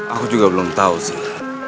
aku juga belum tahu sih